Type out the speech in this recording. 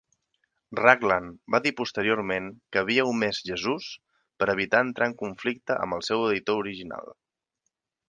Raglan va dir posteriorment que havia omès Jesús per evitar entrar en conflicte amb el seu editor original.